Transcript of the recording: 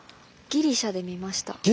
ギリシャで見ました？